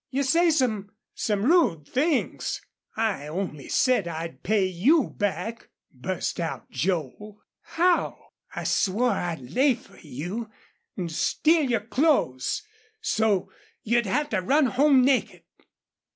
You say some some rude things." "I only said I'd pay you back," burst out Joel. "How?" "I swore I'd lay fer you an' steal your clothes so you'd have to run home naked."